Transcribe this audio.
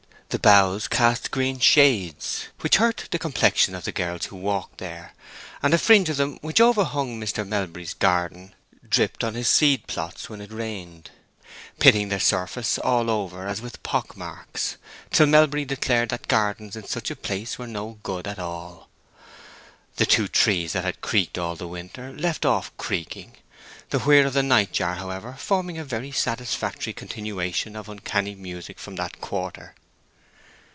The boughs cast green shades, which hurt the complexion of the girls who walked there; and a fringe of them which overhung Mr. Melbury's garden dripped on his seed plots when it rained, pitting their surface all over as with pock marks, till Melbury declared that gardens in such a place were no good at all. The two trees that had creaked all the winter left off creaking, the whir of the night jar, however, forming a very satisfactory continuation of uncanny music from that quarter.